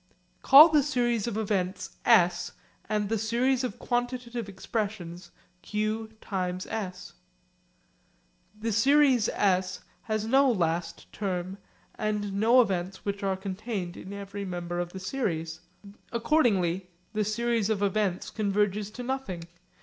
Call the series of events s and the series of quantitative expressions q(s). The series s has no last term and no events which are contained in every member of the series. Accordingly the series of events converges to nothing.